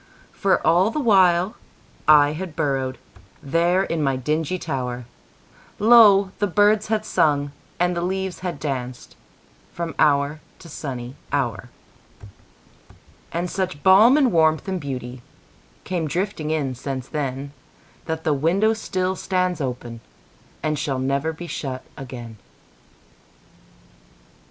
For all the while I had burrowedThere in my dingy tower, Lo! the birds had sung and the leaves had dancedFrom hour to sunny hour. And such balm and warmth and beautyCame drifting in since then, That the window still stands openAnd shall never be shut again.